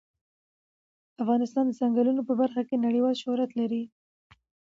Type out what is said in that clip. افغانستان د چنګلونه په برخه کې نړیوال شهرت لري.